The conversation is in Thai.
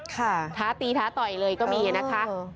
ค่ะค่ะท้าตีท้าต่อยเลยก็มีอย่างนี้นะคะ